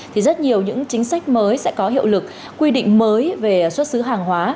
thì rất nhiều những chính sách mới sẽ có hiệu lực quy định mới về xuất xứ hàng hóa